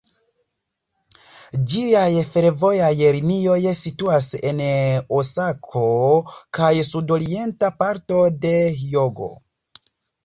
Ĝiaj fervojaj linioj situas en Osako kaj sud-orienta parto de Hjogo.